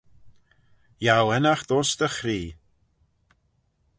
Yiow ennaght ayns dty chree.